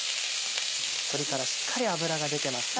鶏からしっかり脂が出てますね。